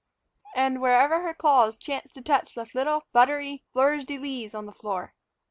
and wherever her claws chanced to touch left little, buttery fleurs de lis on the floor.